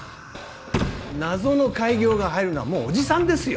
謎の改行が入るのはもうおじさんですよ。